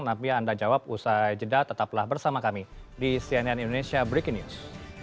nanti ya anda jawab usaha jeda tetaplah bersama kami di sianian indonesia breaking news